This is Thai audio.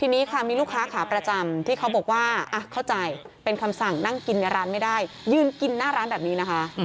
ทีนี้ค่ะมีลูกค้าขาประจำที่เขาบอกว่าเข้าใจเป็นคำสั่งนั่งกินในร้านไม่ได้ยืนกินหน้าร้านแบบนี้นะคะ